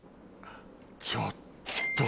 ちょっと。